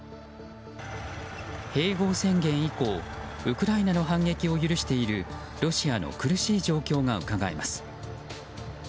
併合宣言以降ウクライナの反撃を許しているロシアの苦しい状況がうかがえます。